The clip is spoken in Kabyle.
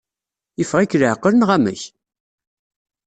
Yeffeɣ-ik leɛqel, neɣ amek?